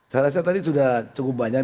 saya rasa tadi sudah cukup banyak